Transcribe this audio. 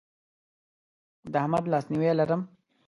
د احمد لاسنیوی لرم.